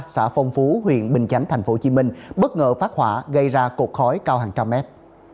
xã phong phú huyện bình chánh tp hcm bất ngờ phát hỏa gây ra cột khói cao hàng trăm mét